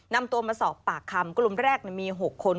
นำตัวมาสอบปากคำกลุ่มแรกมี๖คน